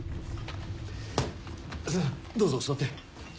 さぁどうぞ座って。